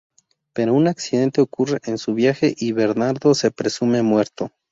Pero un accidente ocurre en su viaje, y Bernardo se presume muerto.